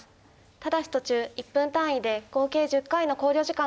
ただし途中１分単位で合計１０回の考慮時間がございます。